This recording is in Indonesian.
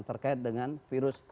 terkait dengan virus